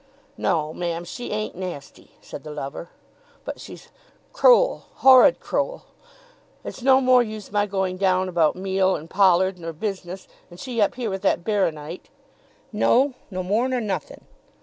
"No, ma'am; she ain't nasty," said the lover. "But she's crou'll horrid crou'll. It's no more use my going down about meal and pollard, nor business, and she up here with that baro nite, no, no more nor nothin'!